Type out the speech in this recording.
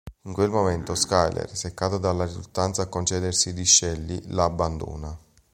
In quel momento Skyler, seccato dalla riluttanza a concedersi di Shelley, la abbandona.